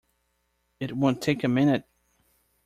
It won't take a minute!